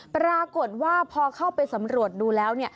ปรากฏว่าพอเข้าไปสำรวจดูแล้ว